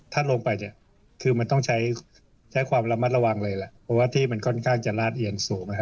ถ้าลงไปเนี่ยคือมันต้องใช้ความระมัดระวังเลย